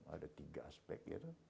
ada tiga aspek